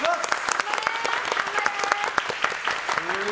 頑張れ！